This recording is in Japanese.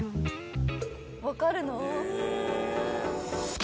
わかるの？